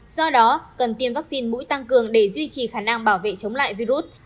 do đó cần tiêm vaccine mũi tăng cường để duy trì khả năng bảo vệ chống lại virus